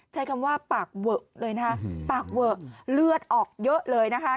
ใช้คำว่าปากเวอะเลยนะคะปากเวอะเลือดออกเยอะเลยนะคะ